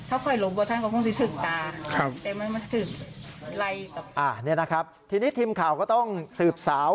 อันนี้นะครับทีนี้ทีมข่าวก็ต้องสืบสาว